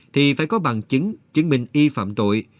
thì phải có bằng chứng chứng minh y phạm tội